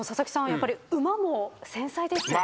やっぱり馬も繊細ですよね。